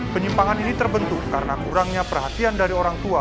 penyimpangan ini terbentuk karena kurangnya perhatian dari orang tua